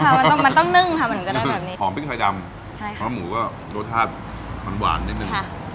มันต้องมันต้องนึ่งค่ะมันถึงจะได้แบบนี้หอมพริกไทยดำใช่ค่ะเพราะหมูก็รสชาติหวานหวานนิดนึง